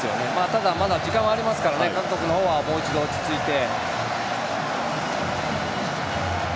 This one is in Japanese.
ただ、まだ時間はありますから韓国はもう一度、落ち着いて。